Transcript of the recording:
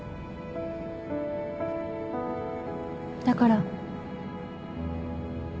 だから。